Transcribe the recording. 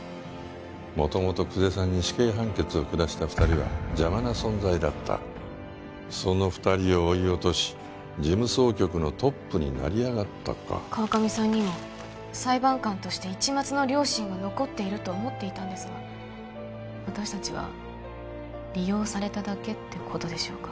元々久世さんに死刑判決を下した２人は邪魔な存在だったその２人を追い落とし事務総局のトップに成り上がったか川上さんにも裁判官として一抹の良心が残っていると思っていたんですが私達は利用されただけってことでしょうか？